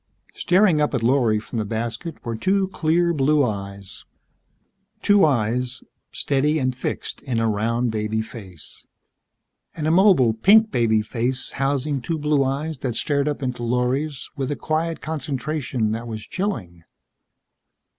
Staring up at Lorry from the basket were two clear blue eyes. Two eyes, steady and fixed in a round baby face. An immobile, pink baby face housing two blue eyes that stared up into Lorry's with a quiet concentration that was chilling.